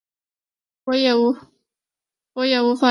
我也无法停止担心